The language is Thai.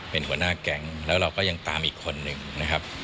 เป็นหัวหน้าแก๊งแล้วเราก็ยังตามอีกคนหนึ่งนะครับ